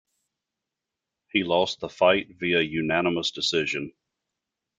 He lost the fight via unanimous decision.